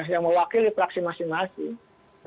yang mewakili praksi masing masing